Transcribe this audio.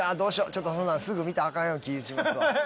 ちょっとそんなんすぐ見たらアカンような気しますわ。